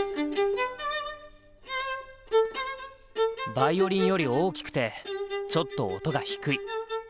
ヴァイオリンより大きくてちょっと音が低い。